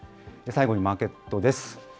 最後にマーケットです。